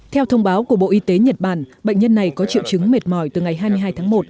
theo thông báo của bộ y tế nhật bản bệnh nhân này có triệu chứng mệt mỏi từ ngày hai mươi hai tháng một